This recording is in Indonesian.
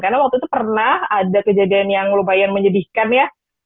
karena waktu itu pernah ada kejadian yang lumayan menyedihkan ya